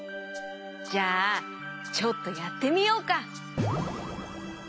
じゃあちょっとやってみようか。